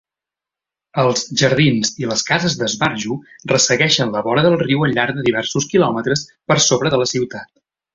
Els jardins i les cases d'esbarjo ressegueixen la vora del riu al llarg de diversos quilòmetres per sobre de la ciutat.